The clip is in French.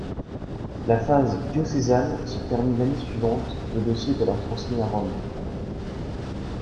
La phase diocésaine se termine l'année suivante, le dossier est alors transmis à Rome.